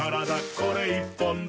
これ１本で」